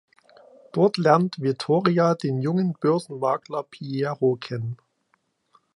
Dort lernt Vittoria den jungen Börsenmakler Piero kennen.